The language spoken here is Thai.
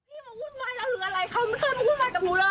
พี่มาพูดมาแล้วหรืออะไรคะ